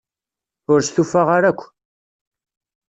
Ur stufaɣ ara akk.